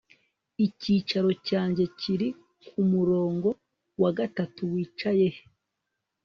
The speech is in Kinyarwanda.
Icyicaro cyanjye kiri kumurongo wa gatatu Wicaye he